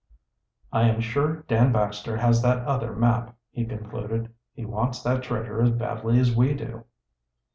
"I am sure Dan Baxter has that other map," he concluded. "He wants that treasure as badly as we do."